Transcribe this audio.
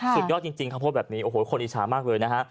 สุดยอดจริงเขาโพสต์แบบนี้โอ้โหคนอิชามากเลยนะฮะ